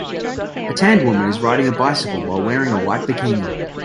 A tanned woman is riding a bicycle while wearing a white bikini.